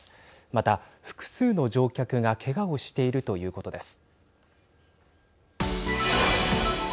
また複数の乗客がけがをしているということです。